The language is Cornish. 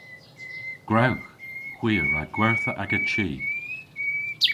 Gwrewgh. Hwi a wra gwertha aga chi.